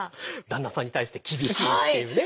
旦那さんに対して厳しいっていうね。